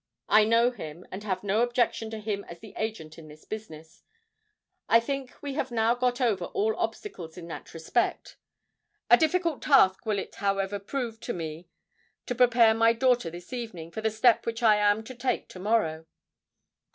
"I know him, and have no objection to him as the agent in the business. I think we have now got over all obstacles in that respect. A difficult task will it however prove to me to prepare my daughter this evening for the step which I am to take to morrow."